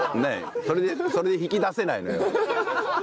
それで引き出せないのよ。